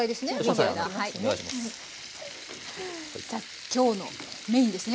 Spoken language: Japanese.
さあ今日のメインですね